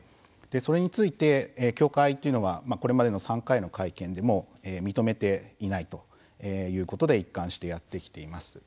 それについて、教会というのはこれまでの３回の会見でも認めていないということで一貫してやってきています。